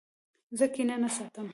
زه کینه نه ساتم.